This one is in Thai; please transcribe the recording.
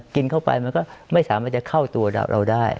กินเข้าไปมันก็ไม่สามารถจะเข้าตัวเราได้